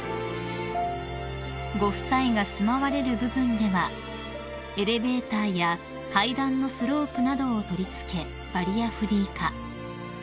［ご夫妻が住まわれる部分ではエレベーターや階段のスロープなどを取り付けバリアフリー化］